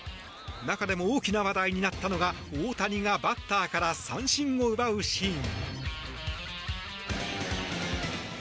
中でも大きな話題になったのが大谷がバッターから三振を奪うシーン。